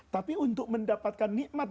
tapi untuk mendapatkan nikmat